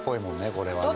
これはね。